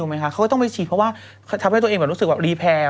เขาก็ต้องไปฉีดเพราะว่าทำให้ตัวเองแบบรู้สึกว่ารีแพลร์